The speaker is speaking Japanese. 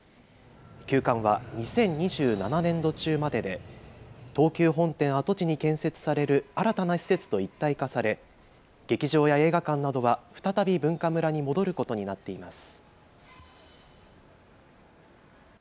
休館は２０２７年度中までで東急本店跡地に建設される新たな施設と一体化され劇場や映画館などは再びＢｕｎｋａｍｕｒａに戻ることになっています。